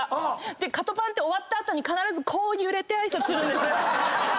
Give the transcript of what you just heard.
でカトパンって終わった後に必ずこう揺れて挨拶するんですね。